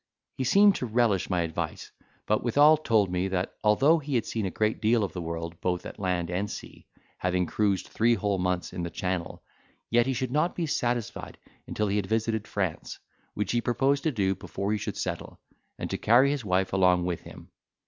He seemed to relish my advice, but withal told me, that although he had seen a great deal of the world both at land and sea, having cruised three whole months in the Channel, yet he should not be satisfied until he had visited France, which he proposed to do before he should settle; and to carry his wife along with him.